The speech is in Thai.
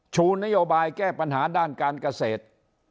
ชูนโยบายแก้ปัญหาด้านการเกษตร